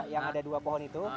yang ada dua pohon itu